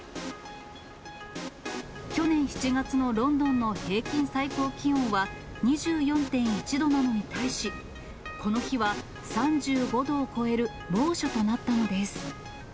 去年７月のロンドンの平均最高気温は２４．１度なのに対し、この日は３５度を超える猛暑となったのです。